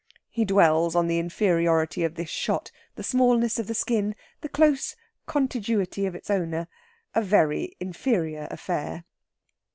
He dwells on the inferiority of this shot, the smallness of the skin, the close contiguity of its owner. A very inferior affair!